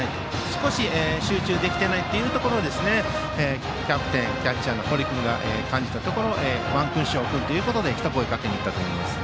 少し集中できていないというところをキャプテンキャッチャーの堀君が感じてワンクッション置くということで一声かけに行ったと思います。